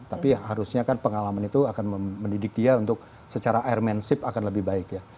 tapi harusnya kan pengalaman itu akan mendidik dia untuk secara airmanship akan lebih banyak